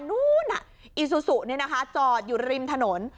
นู้นอีซูซูนี่นะคะจอดอยู่ริมถนน